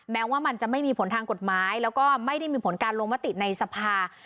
แม้ว่ามันจะไม่มีผลทางกฎหมายแล้วก็ไม่ได้มีผลการลงมติในสภา